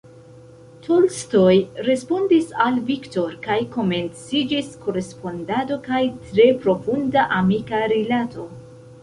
Tolstoj respondis al Victor kaj komenciĝis korespondado kaj tre profunda amika rilato.